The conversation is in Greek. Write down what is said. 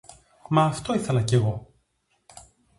Μα αυτό ήθελα κι εγώ!